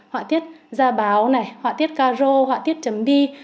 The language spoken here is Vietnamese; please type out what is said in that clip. họa tiết da báo này họa tiết caro họa tiết chấm bi